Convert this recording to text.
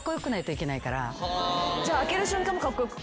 じゃあ開ける瞬間もカッコ良く？